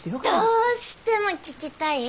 どうしても聞きたい？